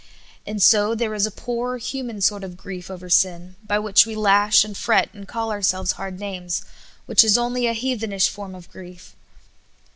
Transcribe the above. And so there is a poor, human sort of grief over sin by which we lash and fret and call ourselves hard names, which is only a heathenish form of grief.